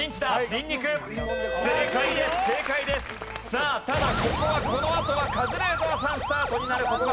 さあただここはこのあとはカズレーザーさんスタートになるここがポイント。